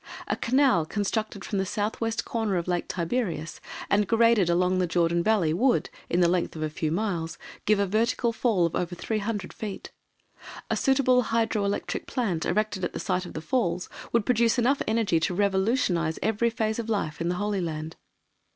A canal constructed from the south west corner of Lake Tiberias, and graded along the Jordan Valley, would, in the length of a few miles, give a vertical fall of over 300 feet. A suitable hydro electric plant erected at the site of the falls would produce enough energy to revolutionise every phase of life in the Holy Land.